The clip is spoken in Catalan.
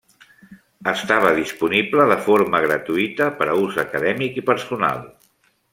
Estava disponible de forma gratuïta per a ús acadèmic i personal.